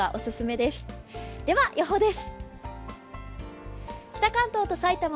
では予報です。